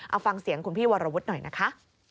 เอาฟังเสียงคุณพี่วรวุฒิหน่อยนะคะ